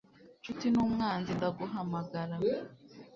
nshuti n'umwanzi ndaguhamagara